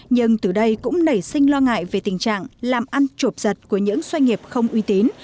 nhưng từ đây cũng nảy sinh lo ngại về tình trạng làm ăn trộm giật của những doanh nghiệp không uy tín